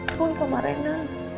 aku di kamar reina